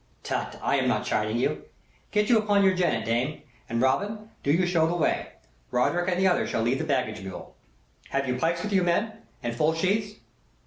"Tut, I am not chiding you. Get you upon your jennet, dame; and, Robin, do you show the way. Roderick and the other shall lead the baggage mule. Have you pikes with you, men, and full sheaths?"